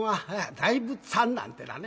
「大仏さん」なんてのはね。